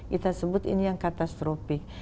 kita sebut ini yang katastropik